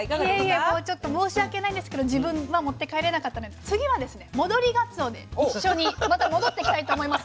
いえいえもうちょっと申し訳ないんですけど自分は持って帰れなかったので次はですね戻りがつおで一緒にまた戻ってきたいと思いますので。